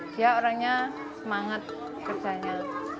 dia orangnya semangat kerjanya